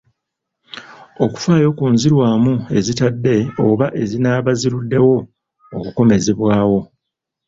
Okufaayo ku nzirwamu ezitadde oba ezinaaba ziruddewo okukomezebwawo.